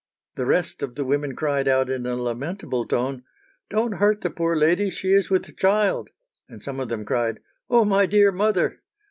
The rest of the women cried out in a lamentable tone, "Don't hurt the poor lady; she is with child;" and some of them cried, "Oh, my dear mother!"